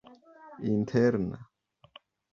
interna